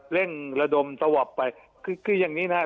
เร่งระดมสวอปไปคือคืออย่างนี้นะครับ